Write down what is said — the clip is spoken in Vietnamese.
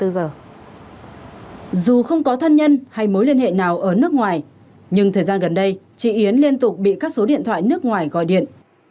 dù không có thân nhân hay mối liên hệ nào ở nước ngoài nhưng thời gian gần đây chị yến liên tục bị các số điện thoại nước ngoài gọi điện